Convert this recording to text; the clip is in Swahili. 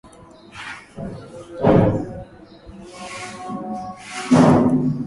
Ned Price japokuwa hakuishutumu kabisa Urusi kwa kufanya uhalifu kama huo